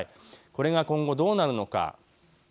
これが今後どうなるのか。